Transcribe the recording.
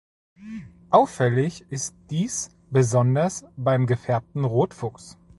Auffällig ist dies besonders beim gefärbten Rotfuchs.